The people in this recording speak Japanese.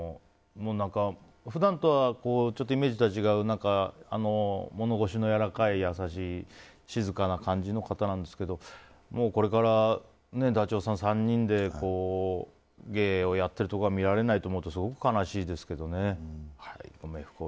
普段は、イメージとは違う物腰のやわらかい優しい、静かな感じの方なんですけどこれからダチョウさん３人で芸をやっているところが見られないと思うとすごく悲しいですけどね。